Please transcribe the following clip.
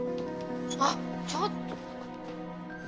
あっちょっと。